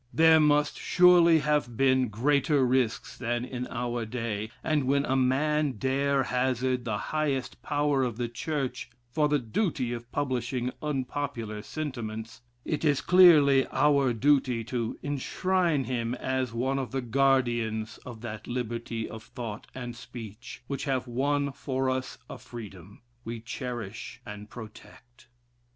There must surely have been greater risks than in our day; and when a man dare hazard the highest power of the church for the duty of publishing unpopular sentiments, it is clearly our duty to; enshrine him as one of the guardians of that liberty of thought, and speech, which have won for us a freedom. we cherish and protect.